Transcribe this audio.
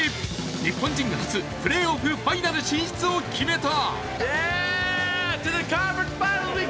日本人初、プレーオフファイナル進出を決めた。